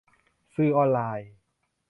สื่อออนไลน์